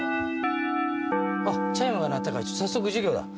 チャイムが鳴ったから早速授業だ。